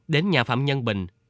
đến nhà phạm nhân bình